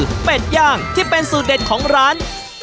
คือเป็ดย่างที่เป็นสูตรเด็ดของร้าน